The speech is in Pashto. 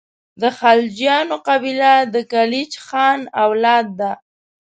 د خلجیانو قبیله د کلیج خان اولاد ده.